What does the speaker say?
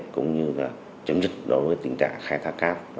cũng như là chấm dứt đối với tình trạng khai thác cát